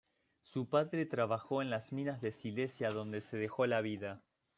Su padre trabajó en las minas de Silesia donde se dejó la vida.